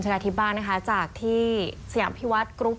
เมื่อกี้มีหนึ่งในเบงก็อค